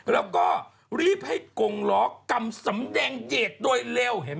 และก็รีบให้กรงล้อกรรมสำแดงเย็ดโดยเร็ว